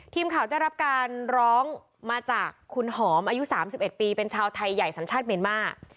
ทีมข่าวได้รับการร้องมาจากคุณหอมอายุ๓๑ปีเป็นชาวไทยใหญ่สัญชาติเมียนมาร์